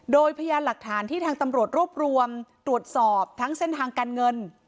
โดยพยานหลักฐานที่ทางตำรวจรวบรวมตรวจสอบทั้งเส้นทางการเงิน